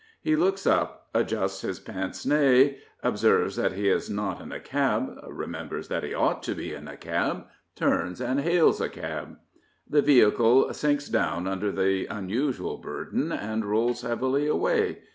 He looks up, adjusts his pince nez, observes that he is not in a cab, remembers that he ought to be in a cab, turns and hails a cab. The vehicle sinks down under the unusual burden and rolls heavily away.